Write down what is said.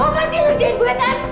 lo pasti ngerjain gue kan